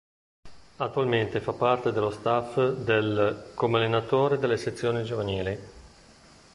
Attualmente fa parte dello staff dell' come allenatore delle sezioni giovanili.